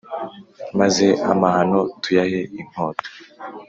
Maze amahano tuyahe inkota